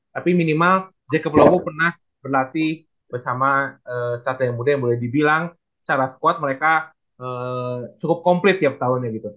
tapi minimal jacoblowo pernah berlatih bersama satria muda yang boleh dibilang secara squad mereka cukup komplit tiap tahunnya gitu